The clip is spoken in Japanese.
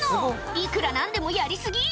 いくら何でもやり過ぎ！